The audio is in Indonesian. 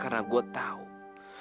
walaupun raka sama talitha udah tunangan